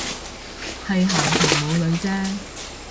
係行頭冇女啫